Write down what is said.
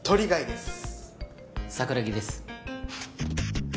桜木です。